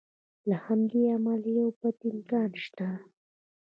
له همدې امله یو بد امکان شته.